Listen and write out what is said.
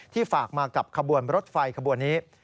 ฝากมากับขบวนรถไฟขบวนนี้